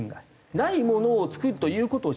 ないものを作るという事をしない。